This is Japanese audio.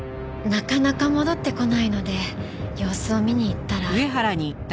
なかなか戻ってこないので様子を見に行ったら。